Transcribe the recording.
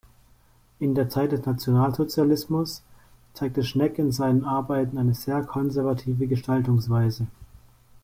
In der Zeit des Nationalsozialismus zeigte Schneck in seinen Arbeiten eine sehr konservative Gestaltungsweise.